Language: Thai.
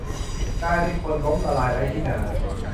กลายเป็นคนล้มละลายไร้ที่นา